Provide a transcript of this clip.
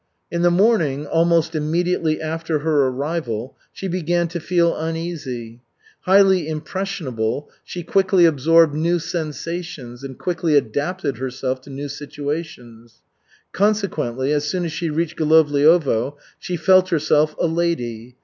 In the morning, almost immediately after her arrival, she began to feel uneasy. Highly impressionable, she quickly absorbed new sensations and quickly adapted herself to new situations. Consequently, as soon as she reached Golovliovo, she felt herself a "lady."